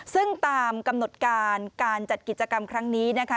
ซึ่งตามกำหนดการการจัดกิจกรรมครั้งนี้นะคะ